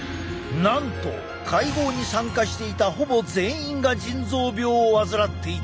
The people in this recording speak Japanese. なんと会合に参加していたほぼ全員が腎臓病を患っていた。